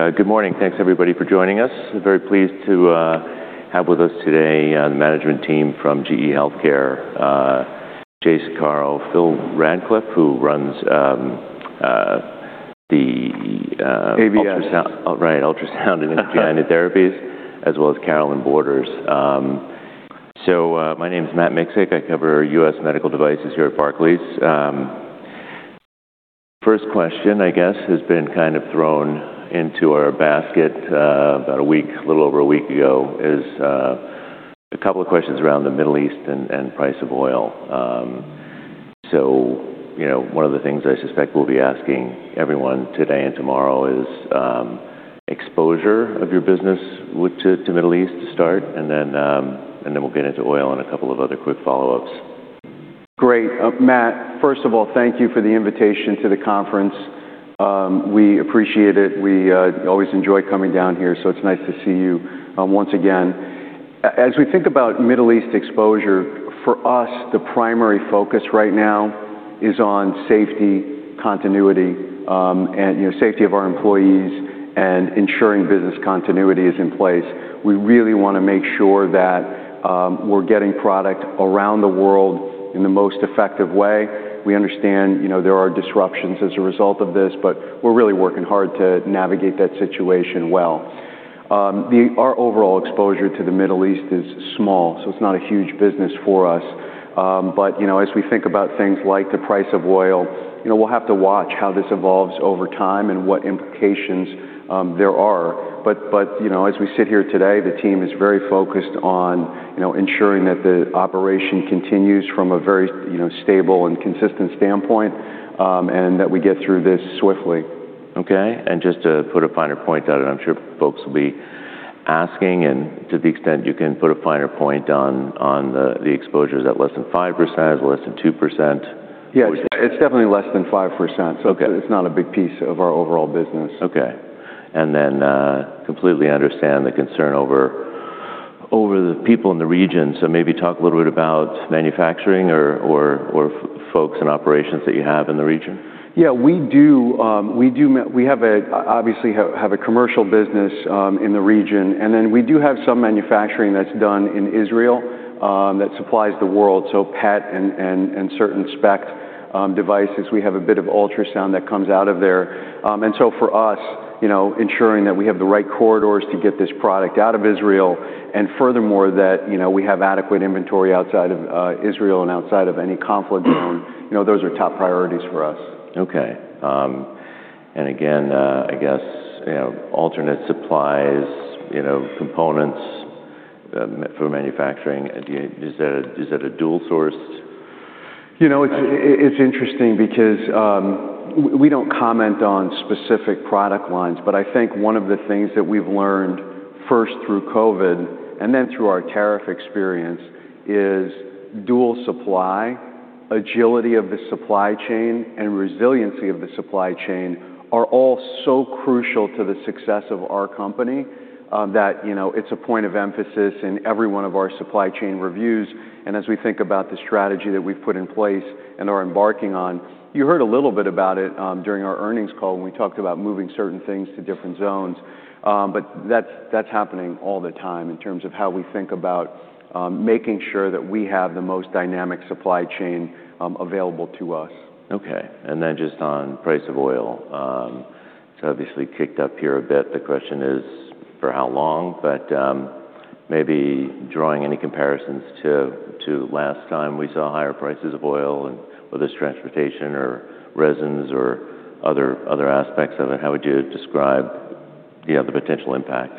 Hey, good morning. Thanks everybody for joining us. Very pleased to have with us today the management team from GE HealthCare, Jay Saccaro, Phil Rackliffe. ABS. Ultrasound. Right, ultrasound and interventional therapies, as well as Carolynne Borders. My name is Matt Miksic. I cover U.S. medical devices here at Barclays. First question, I guess, has been kind of thrown into our basket, about a week, a little over a week ago, is a couple of questions around the Middle East and price of oil. You know, one of the things I suspect we'll be asking everyone today and tomorrow is exposure of your business to Middle East to start, and then we'll get into oil and a couple of other quick follow-ups. Great. Matt, first of all, thank you for the invitation to the conference. We appreciate it. We always enjoy coming down here, so it's nice to see you once again. As we think about Middle East exposure, for us, the primary focus right now is on safety, continuity, and, you know, safety of our employees and ensuring business continuity is in place. We really want to make sure that we're getting product around the world in the most effective way. We understand, you know, there are disruptions as a result of this, but we're really working hard to navigate that situation well. Our overall exposure to the Middle East is small, so it's not a huge business for us. You know, as we think about things like the price of oil, you know, we'll have to watch how this evolves over time and what implications there are. You know, as we sit here today, the team is very focused on, you know, ensuring that the operation continues from a very, you know, stable and consistent standpoint, and that we get through this swiftly. Okay. Just to put a finer point on it, I'm sure folks will be asking, and to the extent you can put a finer point on the exposures, is that less than 5%? Is it less than 2%? Which- Yes. It's definitely less than 5%. Okay. It's not a big piece of our overall business. Okay. Completely understand the concern over the people in the region. Maybe talk a little bit about manufacturing or folks and operations that you have in the region. Yeah. We have obviously a commercial business in the region, and then we do have some manufacturing that's done in Israel that supplies the world. PET and certain spec devices. We have a bit of ultrasound that comes out of there. For us, you know, ensuring that we have the right corridors to get this product out of Israel and furthermore that, you know, we have adequate inventory outside of Israel and outside of any conflict zone, you know, those are top priorities for us. Okay. Again, I guess, you know, alternate supplies, you know, components for manufacturing, do you? Is that a dual source? You know, it's interesting because we don't comment on specific product lines, but I think one of the things that we've learned first through COVID and then through our tariff experience is dual supply, agility of the supply chain, and resiliency of the supply chain are all so crucial to the success of our company, that you know, it's a point of emphasis in every one of our supply chain reviews and as we think about the strategy that we've put in place and are embarking on. You heard a little bit about it during our earnings call when we talked about moving certain things to different zones. That's happening all the time in terms of how we think about making sure that we have the most dynamic supply chain available to us. Okay. Just on price of oil. It's obviously kicked up here a bit. The question is for how long. Maybe drawing any comparisons to last time we saw higher prices of oil and whether it's transportation or resins or other aspects of it, how would you describe, you know, the potential impact?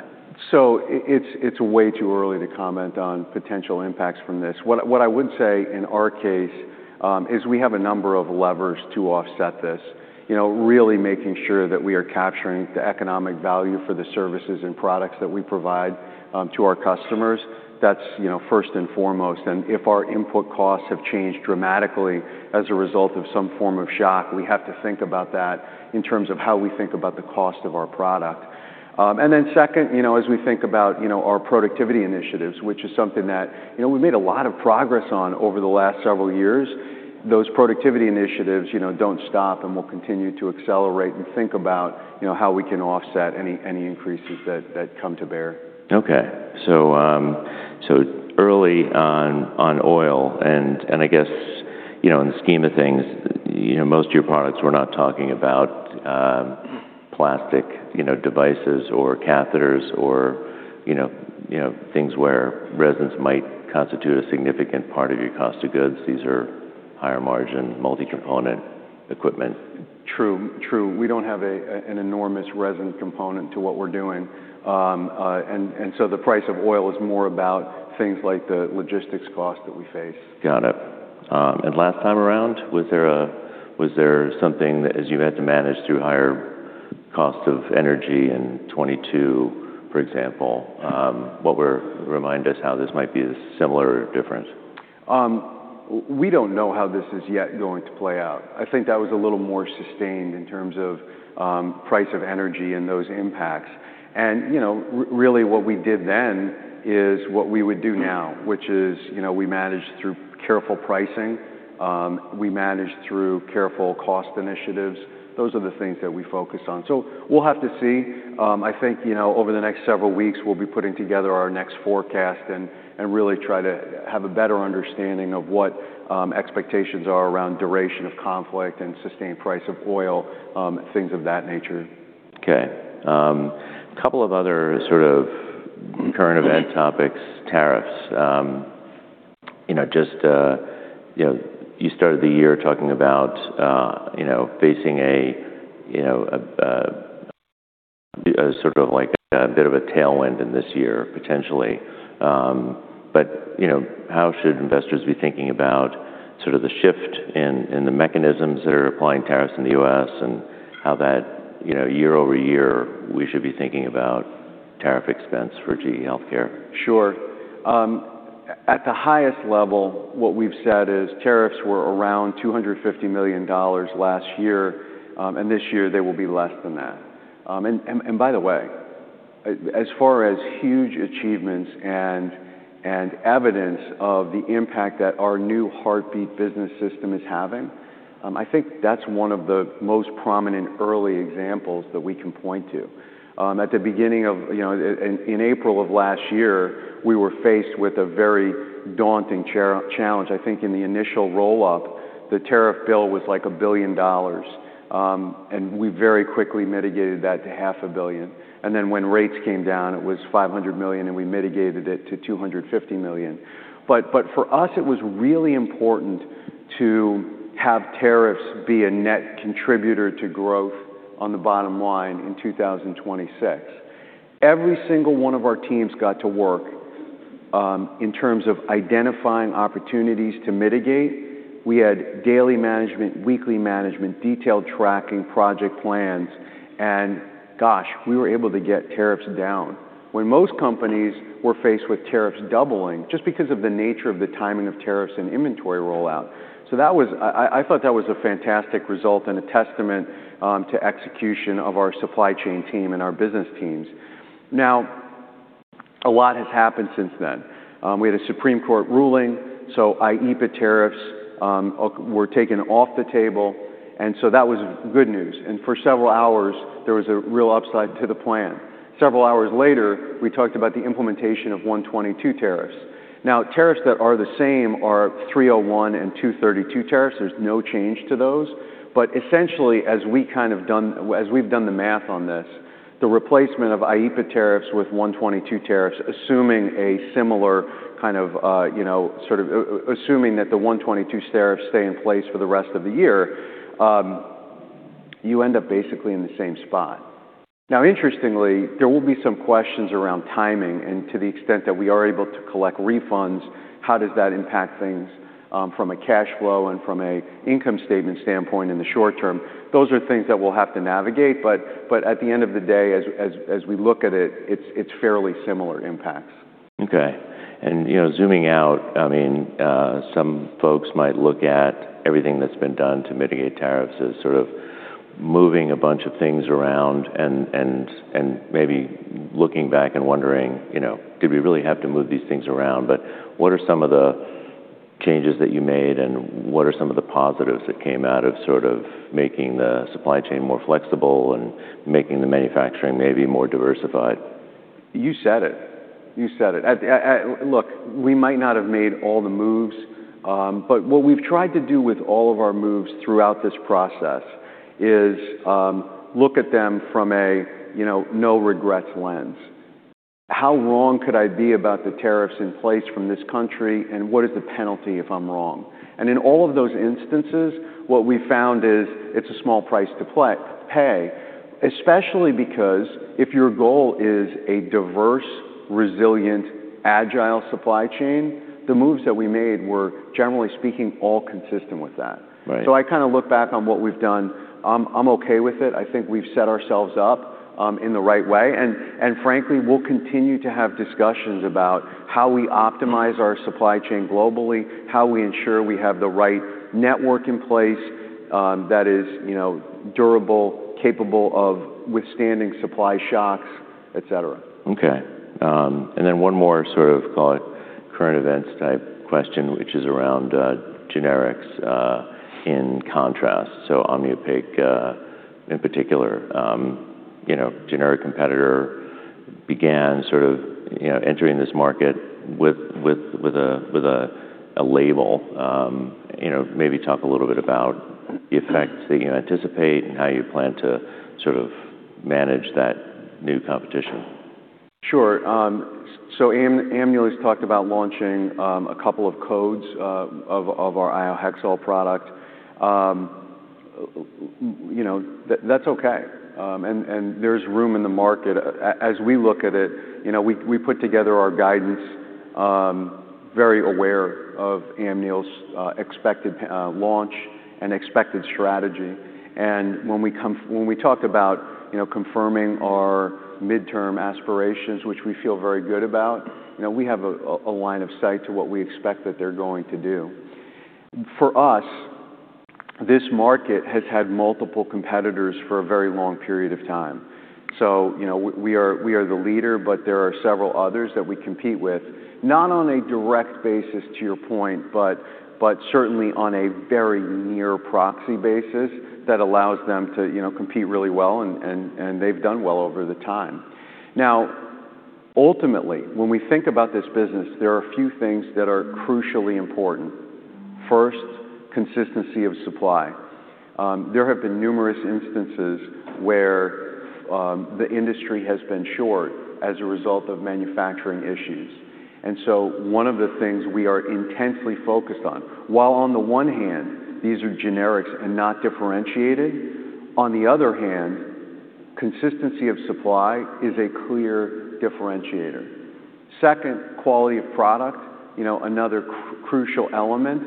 It's way too early to comment on potential impacts from this. What I would say in our case is we have a number of levers to offset this. You know, really making sure that we are capturing the economic value for the services and products that we provide to our customers. That's you know first and foremost. If our input costs have changed dramatically as a result of some form of shock, we have to think about that in terms of how we think about the cost of our product. Second, you know, as we think about you know our productivity initiatives, which is something that you know we made a lot of progress on over the last several years. Those productivity initiatives, you know, don't stop, and we'll continue to accelerate and think about, you know, how we can offset any increases that come to bear. Okay. Early on oil and I guess, you know, in the scheme of things, you know, most of your products, we're not talking about, plastic, you know, devices or catheters or, you know, things where resins might constitute a significant part of your cost of goods. These are higher margin, multi-component equipment. True. We don't have an enormous resin component to what we're doing. The price of oil is more about things like the logistics cost that we face. Got it. Last time around, was there something that as you had to manage through higher cost of energy in 2022, for example. Remind us how this might be similar or different. We don't know how this is yet going to play out. I think that was a little more sustained in terms of price of energy and those impacts. You know, really what we did then is what we would do now, which is, you know, we managed through careful pricing. We managed through careful cost initiatives. Those are the things that we focus on. We'll have to see. I think, you know, over the next several weeks, we'll be putting together our next forecast and really try to have a better understanding of what expectations are around duration of conflict and sustained price of oil, things of that nature. Okay. Couple of other sort of current event topics, tariffs. You know, just, you know, you started the year talking about, you know, facing a, you know, sort of like a bit of a tailwind in this year, potentially. You know, how should investors be thinking about sort of the shift in the mechanisms that are applying tariffs in the U.S. and how that, you know, year-over-year, we should be thinking about tariff expense for GE HealthCare? Sure. At the highest level, what we've said is tariffs were around $250 million last year, and this year they will be less than that. By the way, as far as huge achievements and evidence of the impact that our new Heartbeat business system is having, I think that's one of the most prominent early examples that we can point to. At the beginning, you know, in April of last year, we were faced with a very daunting challenge. I think in the initial roll-up, the tariff bill was like $1 billion, and we very quickly mitigated that to $500 million. Then when rates came down, it was $500 million, and we mitigated it to $250 million. For us, it was really important to have tariffs be a net contributor to growth on the bottom line in 2026. Every single one of our teams got to work in terms of identifying opportunities to mitigate. We had daily management, weekly management, detailed tracking, project plans, and gosh, we were able to get tariffs down when most companies were faced with tariffs doubling just because of the nature of the timing of tariffs and inventory rollout. That was a fantastic result and a testament to execution of our supply chain team and our business teams. Now, a lot has happened since then. We had a Supreme Court ruling, so IEEPA tariffs were taken off the table, and that was good news. For several hours, there was a real upside to the plan. Several hours later, we talked about the implementation of Section 122 tariffs. Now, tariffs that are the same are Section 301 and Section 232 tariffs. There's no change to those. Essentially, as we've done the math on this, the replacement of IEEPA tariffs with Section 122 tariffs, assuming a similar kind of, you know, sort of assuming that the Section 122 tariffs stay in place for the rest of the year, you end up basically in the same spot. Now, interestingly, there will be some questions around timing and to the extent that we are able to collect refunds, how does that impact things, from a cash flow and from an income statement standpoint in the short term. Those are things that we'll have to navigate, but at the end of the day, as we look at it's fairly similar impacts. Okay. You know, zooming out, I mean, some folks might look at everything that's been done to mitigate tariffs as sort of moving a bunch of things around and maybe looking back and wondering, you know, did we really have to move these things around? What are some of the changes that you made, and what are some of the positives that came out of sort of making the supply chain more flexible and making the manufacturing maybe more diversified? You said it. Look, we might not have made all the moves, but what we've tried to do with all of our moves throughout this process is look at them from a, you know, no regrets lens. How wrong could I be about the tariffs in place from this country, and what is the penalty if I'm wrong? In all of those instances, what we found is it's a small price to pay, especially because if your goal is a diverse, resilient, agile supply chain, the moves that we made were, generally speaking, all consistent with that. Right. I kind of look back on what we've done. I'm okay with it. I think we've set ourselves up in the right way. Frankly, we'll continue to have discussions about how we optimize our supply chain globally, how we ensure we have the right network in place, that is, you know, durable, capable of withstanding supply shocks, et cetera. Okay. One more sort of, call it current events type question, which is around generics in contrast. Amneal in particular, you know, generic competitor began sort of, you know, entering this market with a label. You know, maybe talk a little bit about the effects that you anticipate and how you plan to sort of manage that new competition. Sure. Amneal's talked about launching a couple of codes of our iohexol product. You know, that's okay. There's room in the market. As we look at it, you know, we put together our guidance very aware of Amneal's expected launch and expected strategy. When we talk about, you know, confirming our midterm aspirations, which we feel very good about, you know, we have a line of sight to what we expect that they're going to do. This market has had multiple competitors for a very long period of time. You know, we are the leader, but there are several others that we compete with, not on a direct basis to your point, but certainly on a very near proxy basis that allows them to, you know, compete really well and they've done well over time. Now, ultimately, when we think about this business, there are a few things that are crucially important. First, consistency of supply. There have been numerous instances where the industry has been short as a result of manufacturing issues. One of the things we are intensely focused on, while on the one hand, these are generics and not differentiated, on the other hand, consistency of supply is a clear differentiator. Second, quality of product, you know, another crucial element.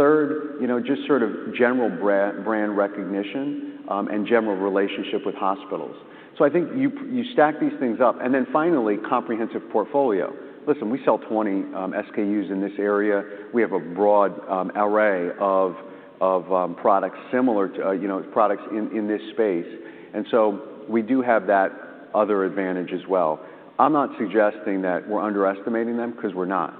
Third, you know, just sort of general brand recognition and general relationship with hospitals. I think you stack these things up. Then finally, comprehensive portfolio. Listen, we sell 20 SKUs in this area. We have a broad array of products similar to, you know, products in this space. We do have that other advantage as well. I'm not suggesting that we're underestimating them, because we're not.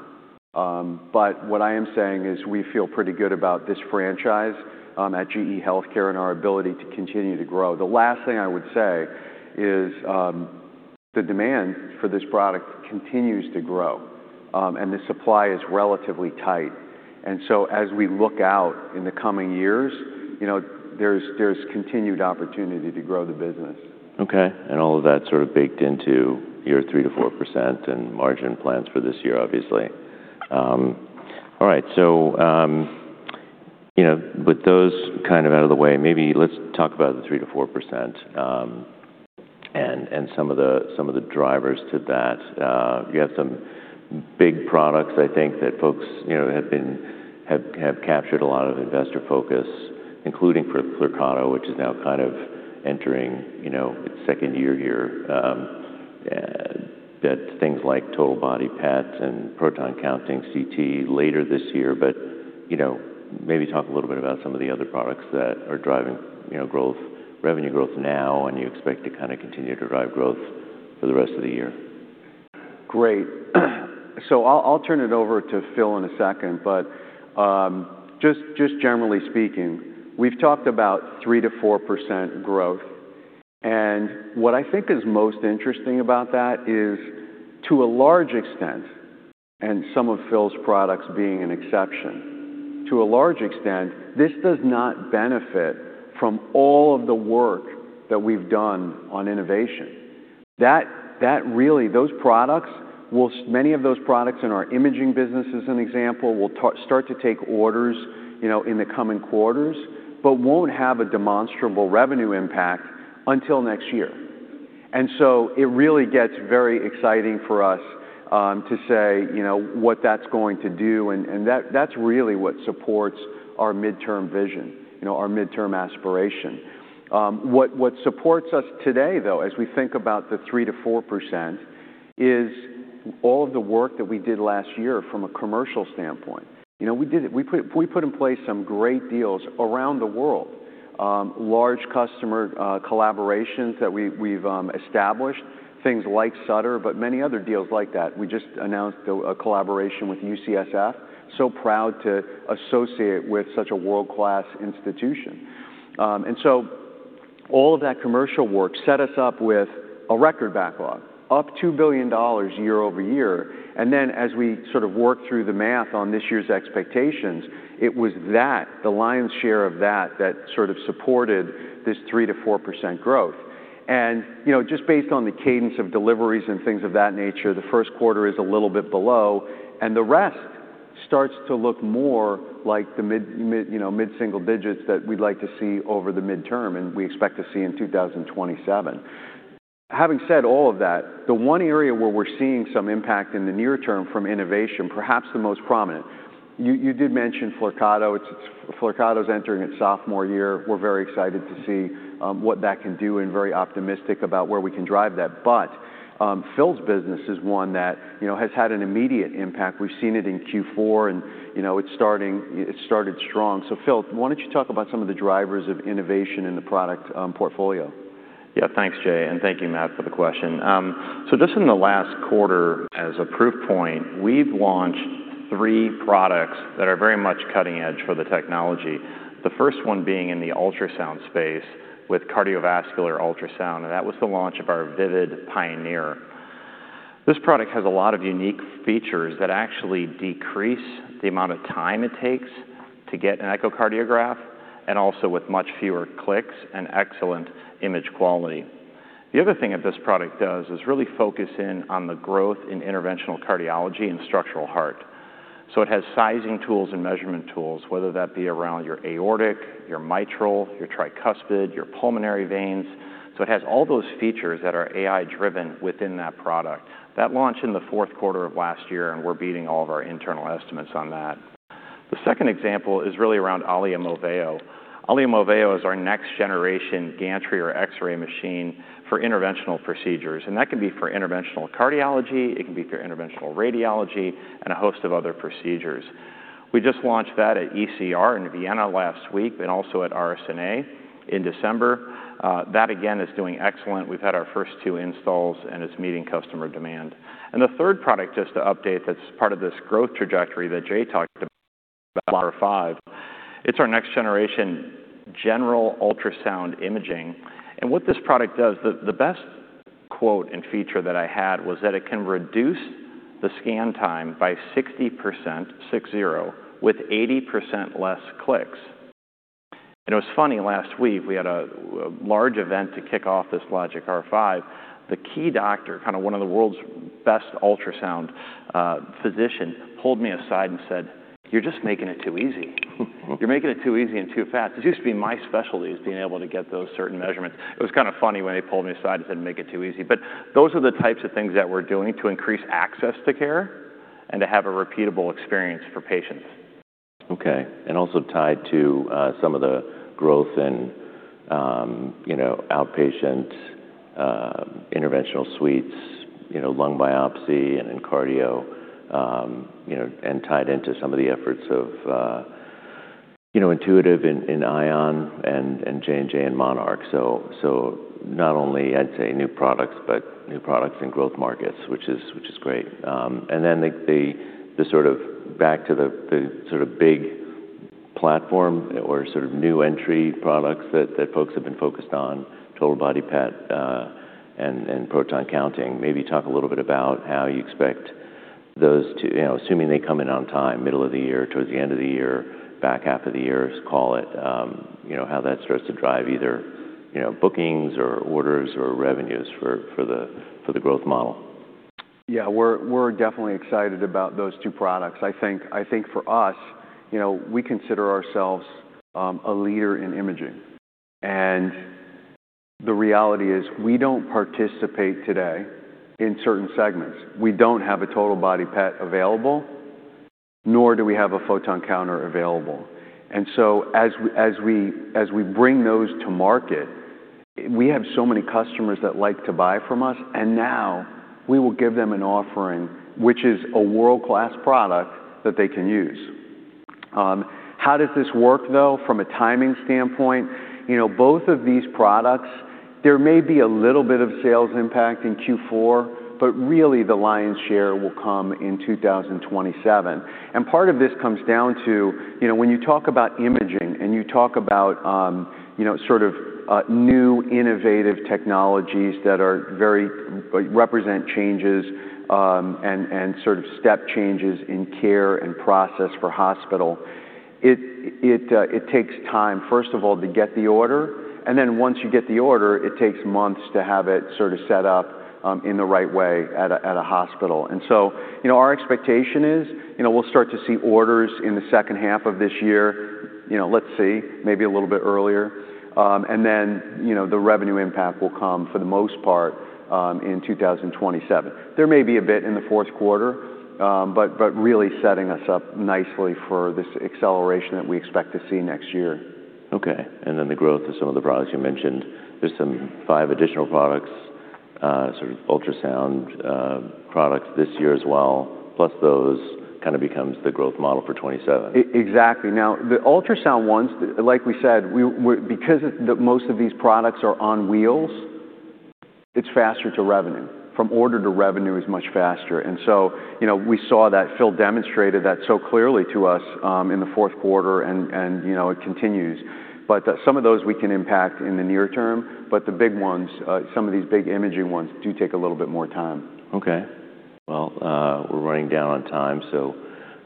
But what I am saying is we feel pretty good about this franchise at GE HealthCare and our ability to continue to grow. The last thing I would say is the demand for this product continues to grow and the supply is relatively tight. As we look out in the coming years, you know, there's continued opportunity to grow the business. Okay. All of that sort of baked into your 3%-4% and margin plans for this year, obviously. All right. You know, with those kind of out of the way, maybe let's talk about the 3%-4%, and some of the drivers to that. You have some big products, I think, that folks, you know, have captured a lot of investor focus, including for Flyrcado, which is now kind of entering, you know, its second year here. That's things like total body PET and photon-counting CT later this year, but, you know, maybe talk a little bit about some of the other products that are driving, you know, growth, revenue growth now, and you expect to kind of continue to drive growth for the rest of the year. Great. I'll turn it over to Phil in a second. Just generally speaking, we've talked about 3%-4% growth. What I think is most interesting about that is to a large extent, and some of Phil's products being an exception, to a large extent, this does not benefit from all of the work that we've done on innovation. That really, many of those products in our imaging business, as an example, will start to take orders, you know, in the coming quarters, but won't have a demonstrable revenue impact until next year. It really gets very exciting for us, to say, you know, what that's going to do, and that's really what supports our midterm vision, you know, our midterm aspiration. What supports us today, though, as we think about the 3%-4% is all of the work that we did last year from a commercial standpoint. You know, we did it. We put in place some great deals around the world. Large customer collaborations that we've established, things like Sutter, but many other deals like that. We just announced a collaboration with UCSF, so proud to associate with such a world-class institution. All of that commercial work set us up with a record backlog, up $2 billion year-over-year. As we sort of worked through the math on this year's expectations, it was that, the lion's share of that sort of supported this 3%-4% growth. You know, just based on the cadence of deliveries and things of that nature, the first quarter is a little bit below, and the rest starts to look more like the mid, you know, mid-single digits that we'd like to see over the midterm, and we expect to see in 2027. Having said all of that, the one area where we're seeing some impact in the near term from innovation, perhaps the most prominent, you did mention Flyrcado. Flyrcado's entering its sophomore year. We're very excited to see what that can do and very optimistic about where we can drive that. Phil's business is one that, you know, has had an immediate impact. We've seen it in Q4, and, you know, it started strong. Phil, why don't you talk about some of the drivers of innovation in the product portfolio? Yeah. Thanks, Jay, and thank you, Matt, for the question. Just in the last quarter as a proof point, we've launched three products that are very much cutting edge for the technology. The first one being in the ultrasound space with cardiovascular ultrasound, and that was the launch of our Vivid Pioneer. This product has a lot of unique features that actually decrease the amount of time it takes to get an echocardiograph and also with much fewer clicks and excellent image quality. The other thing that this product does is really focus in on the growth in interventional cardiology and structural heart. It has sizing tools and measurement tools, whether that be around your aortic, your mitral, your tricuspid, your pulmonary veins. It has all those features that are AI-driven within that product. That launched in the fourth quarter of last year, and we're beating all of our internal estimates on that. The second example is really around Allia Moveo. Allia Moveo is our next generation gantry or X-ray machine for interventional procedures, and that can be for interventional cardiology, it can be for interventional radiology, and a host of other procedures. We just launched that at ECR in Vienna last week and also at RSNA in December. That again is doing excellent. We've had our first two installs, and it's meeting customer demand. The third product, just to update, that's part of this growth trajectory that Jay talked about, LOGIQ R5, it's our next generation general ultrasound imaging. What this product does, the best quote and feature that I had was that it can reduce the scan time by 60%, 60, with 80% less clicks. It was funny, last week we had a large event to kick off this LOGIQ R5. The key doctor, kind of one of the world's best ultrasound physician, pulled me aside and said, "You're just making it too easy. You're making it too easy and too fast. This used to be my specialty is being able to get those certain measurements." It was kind of funny when he pulled me aside and said, "Make it too easy." Those are the types of things that we're doing to increase access to care and to have a repeatable experience for patients. Okay. Also tied to some of the growth in you know outpatient interventional suites you know lung biopsy and in cardio you know and tied into some of the efforts of you know Intuitive in Ion and J&J and Monarch. Not only I'd say new products but new products in growth markets which is great. Then sort of back to the sort of big platform or sort of new entry products that folks have been focused on total body PET and photon counting. Maybe talk a little bit about how you expect those two. You know, assuming they come in on time, middle of the year, towards the end of the year, back half of the year, call it, you know, how that starts to drive either, you know, bookings or orders or revenues for the growth model. Yeah. We're definitely excited about those two products. I think for us, you know, we consider ourselves a leader in imaging. The reality is we don't participate today in certain segments. We don't have a total body PET available, nor do we have a photon counting available. As we bring those to market, we have so many customers that like to buy from us, and now we will give them an offering which is a world-class product that they can use. How does this work though from a timing standpoint? You know, both of these products, there may be a little bit of sales impact in Q4, but really the lion's share will come in 2027. Part of this comes down to, you know, when you talk about imaging and you talk about, you know, sort of, new innovative technologies that are very represent changes, and sort of step changes in care and process for hospital, it takes time, first of all, to get the order, and then once you get the order, it takes months to have it sort of set up, in the right way at a hospital. Our expectation is, you know, we'll start to see orders in the second half of this year. You know, let's see, maybe a little bit earlier. Then, you know, the revenue impact will come for the most part, in 2027. There may be a bit in the fourth quarter, but really setting us up nicely for this acceleration that we expect to see next year. Okay. The growth of some of the products you mentioned, there's some five additional products, sort of ultrasound products this year as well, plus those kind of becomes the growth model for 2027. Exactly. Now, the ultrasound ones, like we said, because most of these products are on wheels, it's faster to revenue. From order to revenue is much faster. You know, we saw that Phil demonstrated that so clearly to us, in the fourth quarter and, you know, it continues. Some of those we can impact in the near term, but the big ones, some of these big imaging ones do take a little bit more time. Okay. Well, we're running down on time, so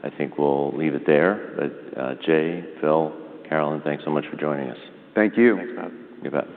I think we'll leave it there. Jay, Phil, Carolynne, thanks so much for joining us. Thank you. Thanks, Matt.